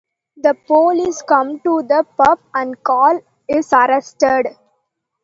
The police come to the pub and Karl is arrested.